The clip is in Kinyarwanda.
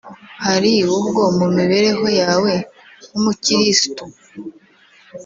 Hari ubwo mu mibereho yawe nk’umukiristu